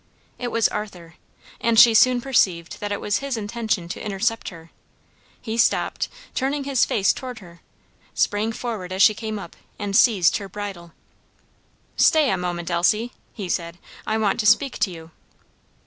It was Arthur, and she soon perceived that it was his intention to intercept her; he stopped, turning his face toward her, sprang forward as she came up, and seized her bridle. "Stay a moment, Elsie," he said, "I want to speak to you."